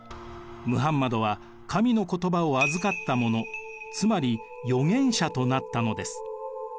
ムハンマドは神の言葉を預かった者つまり預言者となったのです。